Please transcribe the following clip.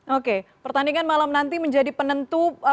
oke pertandingan malam nanti menjadi penentu